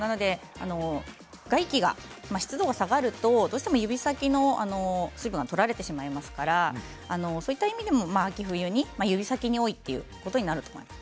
外気が湿度が下がるとどうしても指先の水分が取られてしまいますからそういった意味でも秋冬、指先に多い、となると思います。